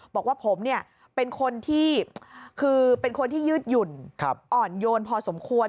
บอกว่าผมเป็นคนที่ยืดหยุ่นอ่อนโยนพอสมควร